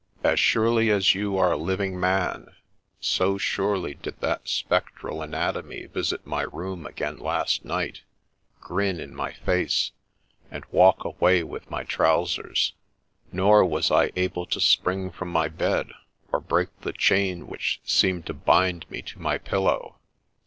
As surely as you are a living man, so surely did that spectral anatomy visit my room again last night, grin in my face, and walk away with my trousers ; nor was I able to spring from my bed, or break the chain which seemed to bind me to my pillow.'